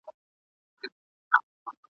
د پیر نیکونه ټول غوثان تېر سوي !.